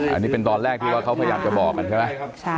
อันนี้เป็นตอนแรกที่ว่าเขาพยายามจะบอกกันใช่ไหม